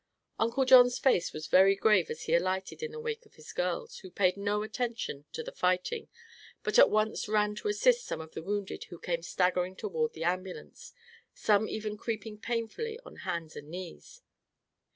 Uncle John's face was very grave as he alighted in the wake of his girls, who paid no attention to the fighting but at once ran to assist some of the wounded who came staggering toward the ambulance, some even creeping painfully on hands and knees.